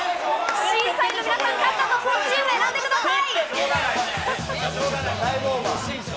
審査員の皆さん、勝ったと思うほうのチームを選んでください。